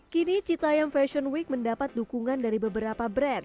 kini citaiam fashion week mendapat dukungan dari beberapa pemerintah